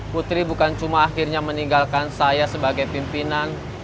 putri bukan cuma akhirnya meninggalkan saya sebagai pimpinan